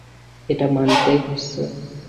এটা মানতেই হচ্ছে।